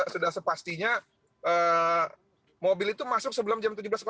sudah sepastinya mobil itu masuk sebelum jam tujuh belas